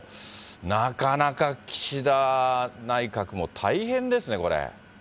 なかなか岸田内閣も大変ですね、これ。